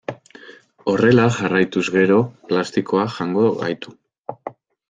Horrela jarraituz gero plastikoak jango gaitu.